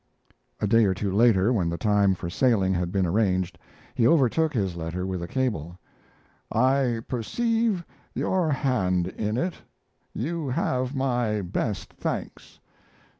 A day or two later, when the time for sailing had been arranged, he overtook his letter with a cable: I perceive your hand in it. You have my best thanks.